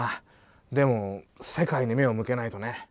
でも世界に目を向けないとね。